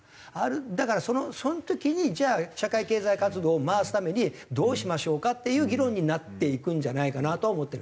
だからその時にじゃあ社会経済活動を回すためにどうしましょうかっていう議論になっていくんじゃないかなとは思ってる。